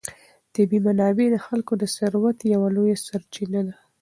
طبیعي منابع د خلکو د ثروت یوه لویه سرچینه ده.